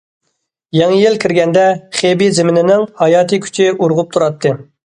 يېڭى يىل كىرگەندە، خېبېي زېمىنىنىڭ ھاياتىي كۈچى ئۇرغۇپ تۇراتتى.